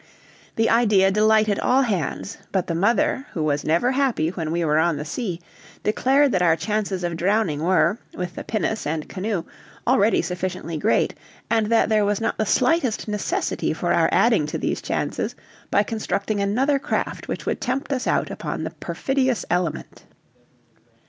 The idea delighted all hands, but the mother, who was never happy when we were on the sea, declared that our chances of drowning were, with the pinnace and canoe, already sufficiently great, and that there was not the slightest necessity for our adding to these chances by constructing another craft which would tempt us out upon the perfidious element.